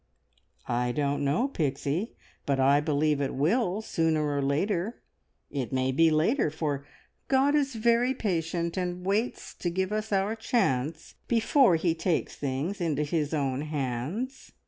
"I don't know, Pixie, but I believe it will, sooner or later. It may be later, for God is very patient, and waits to give us our chance before He takes things into His own hands.